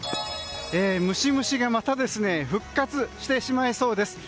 ムシムシがまた復活してしまいそうです。